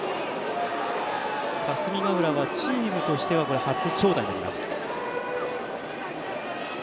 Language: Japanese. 霞ヶ浦はチームとしては初長打になります。